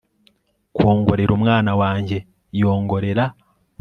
kwongorera umwana wanjye yongorera